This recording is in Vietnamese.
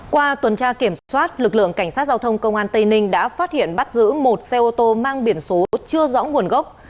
qua tuần tra kiểm soát lực lượng cảnh sát giao thông công an tây ninh đã phát hiện bắt giữ một xe ô tô mang biển số chưa rõ nguồn gốc